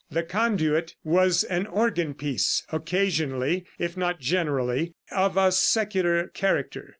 The conduit was an organ piece, occasionally, if not generally, of a secular character.